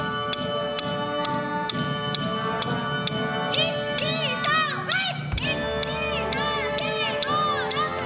１２３はい！